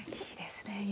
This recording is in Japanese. いいですね